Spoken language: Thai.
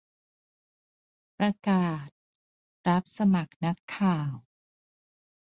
ประกาศ - รับสมัครนักข่าว